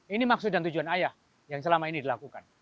ini maksud dan tujuan ayah yang selama ini dilakukan